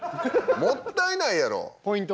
もったいないやろ。